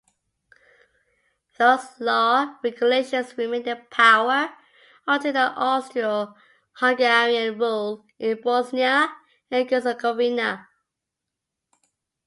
Those law regulations remained in power until the Austro-Hungarian rule in Bosnia and Herzegovina.